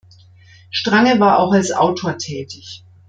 Strange war auch als Autor tätig.